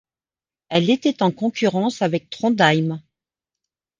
Elle était en concurrence avec Trondheim.